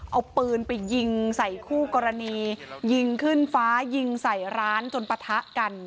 เอาปืนไปยิงใส่คู่กรณียิงขึ้นฟ้ายิงใส่ร้านจนปะทะกัน